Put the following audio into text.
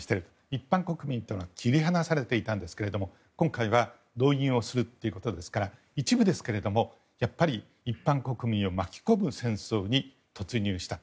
一般国民というのは切り離されていたんですが今回は動員をするということですから一部ですが、やはり一般国民を巻き込む戦争に突入した。